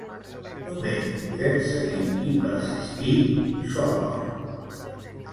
Només podem seguir i persistir sols.